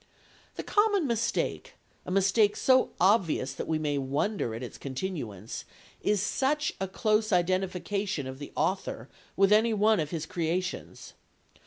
The common mistake, a mistake so obvious that we may wonder at its continuance, is such a close identification of the author with any one of his creations.